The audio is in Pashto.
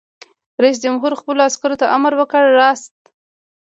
رئیس جمهور خپلو عسکرو ته امر وکړ؛ راست!